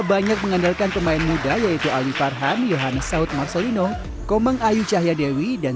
banyak mengandalkan pemain muda yaitu ali farhan yohanes saud marcelino komang ayu cahyadewi dan